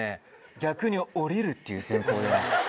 逆に下りるっていう戦法。